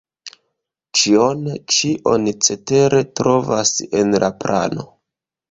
Ĉion ĉi oni cetere trovas en la plano.